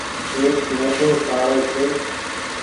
ايڪ موٽو شاڙو ڇي۔